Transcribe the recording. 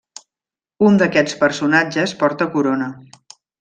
Un d'aquests personatges porta corona.